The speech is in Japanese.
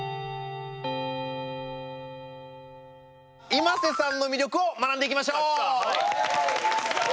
ｉｍａｓｅさんの魅力を学んでいきましょう！